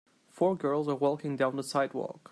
Four girls are walking down the sidewalk.